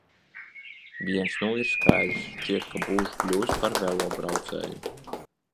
Viens nu ir skaidrs – šķiet, ka būšu kļuvis par velobraucēju.